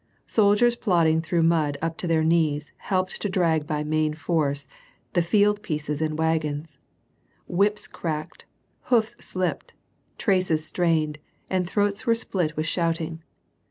Soldiers plodding through mud up to their knees helped to drag by main force, the field pieces and wagons. Whips cracked, boofs slipped, traces strained, and throats were split with shouting.